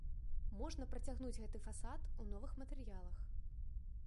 Можна працягнуць гэты фасад у новых матэрыялах.